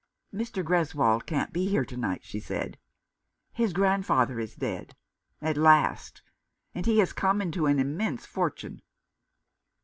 " Mr. Greswold can't be here to night," she said. " His grandfather is dead — at last — and he has come into an immense fortune."